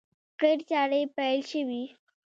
قیر چارې پیل شوې!